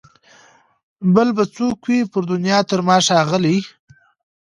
بل به څوک وي پر دنیا تر ما ښاغلی